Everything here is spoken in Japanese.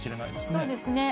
そうですね。